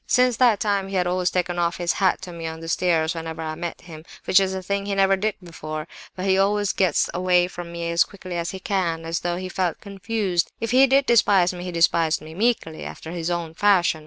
"Since that time he has always taken off his hat to me on the stairs, whenever I met him, which is a thing he never did before; but he always gets away from me as quickly as he can, as though he felt confused. If he did despise me, he despised me 'meekly,' after his own fashion.